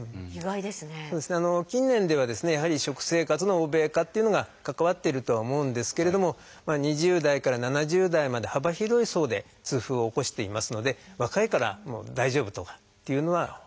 近年ではですねやはり食生活の欧米化っていうのが関わってるとは思うんですけれども２０代から７０代まで幅広い層で痛風を起こしていますので若いから大丈夫とかっていうのは。